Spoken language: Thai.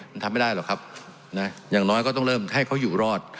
มันทำไม่ได้หรอกครับนะอย่างน้อยก็ต้องเริ่มให้เขาอยู่รอด